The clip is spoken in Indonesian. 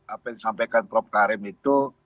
apa yang disampaikan prof karim itu